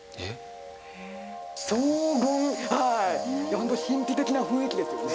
ホント神秘的な雰囲気ですよね。